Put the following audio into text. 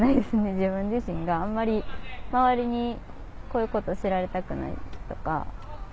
自分自身があんまり周りにこういうこと知られたくないとか。